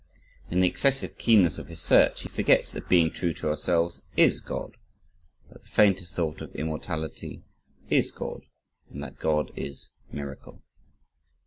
In the excessive keenness of his search, he forgets that "being true to ourselves" IS God, that the faintest thought of immortality IS God, and that God is "miracle."